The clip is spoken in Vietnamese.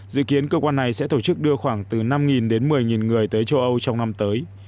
dự kiến cơ quan này sẽ tổ chức đưa khoảng từ năm đến một mươi người tới châu âu trong năm tới